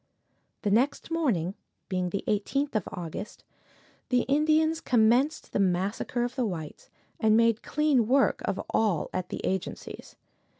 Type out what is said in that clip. The next morning, being the 18th of August, the Indians commenced the massacre of the whites, and made clean work of all at the agencies.